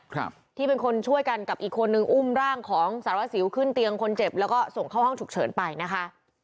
ครับที่เป็นคนช่วยกันกับอีกคนนึงอุ้มร่างของสารวัสสิวขึ้นเตียงคนเจ็บแล้วก็ส่งเข้าห้องฉุกเฉินไปนะคะ